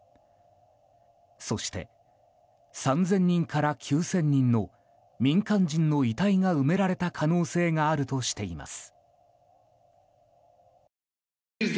そして３０００人から９０００人の民間人の遺体が埋められた可能性があるとしています。